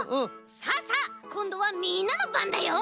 さあさあこんどはみんなのばんだよ！